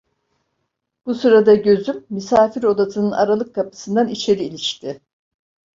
Bu sırada gözüm misafir odasının aralık kapısından içeri ilişti.